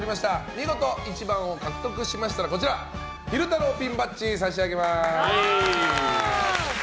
見事、１番を獲得しましたら昼太郎ピンバッジ差し上げます。